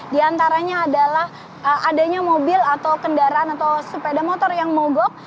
di antaranya adalah adanya mobil atau kendaraan atau sepeda motor yang mogok